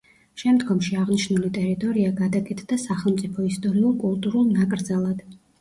შემდგომში აღნიშნული ტერიტორია გადაკეთდა სახელმწიფო ისტორიულ-კულტურულ ნაკრძალად.